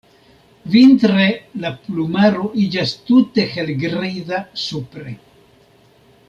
Vintre la plumaro iĝas tute helgriza supre.